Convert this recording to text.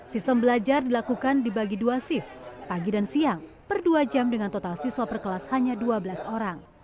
sistem belajar dilakukan dibagi dua shift pagi dan siang per dua jam dengan total siswa per kelas hanya dua belas orang